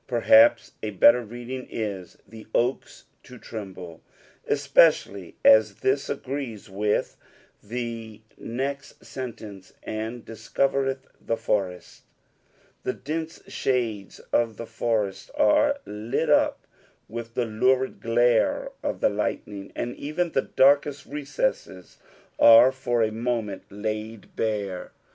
Perhaps abetter reading is, " the oaks to tremble," especially as this agrees with the t sentence, and " diteotiereth the fore»tt" The dense shades of the forest are lit up with the lurid glare of the lightning, and even the darkest recesses are for a moment laid bare.